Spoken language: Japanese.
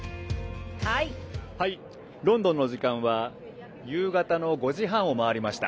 ロンドンの時間は夕方の５時半を回りました。